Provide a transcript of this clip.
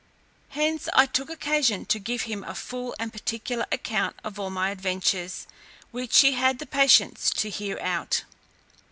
Hence I took occasion to give him a full and particular account of all my adventures, which he had the patience to hear out.